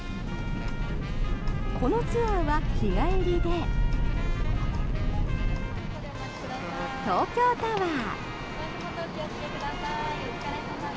このツアーは日帰りで東京タワー。